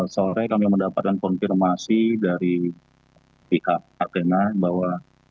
sore kami mendapatkan konfirmasi dari pihak katena bahwa